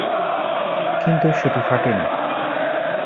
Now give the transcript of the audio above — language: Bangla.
কিন্তু সেটি ফাটেনি।